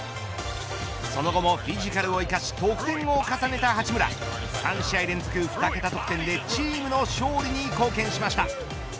その後もフィジカルを生かし得点を重ねた八村３試合連続２桁得点でチームの勝利に貢献しました。